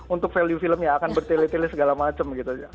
untuk value filmnya akan bertile tile segala macem gitu